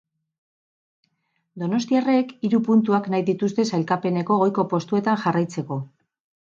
Donostiarrek hiru puntuak nahi dituzte sailkapeneko goiko postuetan jarraitzeko.